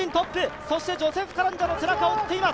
そしてジョセフ・カランジャの背中を追っています。